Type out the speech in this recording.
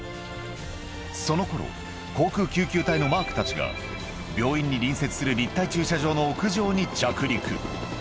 そのころ、航空救急隊のマークたちが、病院に隣接する立体駐車場の屋上に着陸。